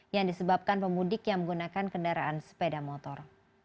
yang disebabkan pemudik yang menggunakan kendaraan sepeda motor